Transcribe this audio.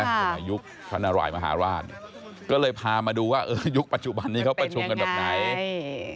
สมัยยุคพระนารายมหาราชก็เลยพามาดูว่าเออยุคปัจจุบันนี้เขาประชุมกันแบบไหนนี่